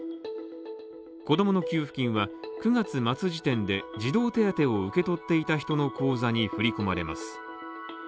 子供の給付金は９月末時点で児童手当を受け取っていた人の口座に振り込まれます